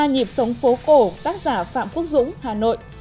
nhịp sống phố cổ tác giả phạm quốc dũng hà nội